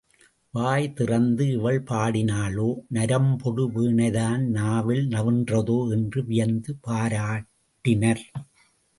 வாய் திறந்து இவள் பாடினாளோ நரம்பொடு வீணைதான் நாவில் நவின்றதோ என்று வியந்து பாராட்டினர்.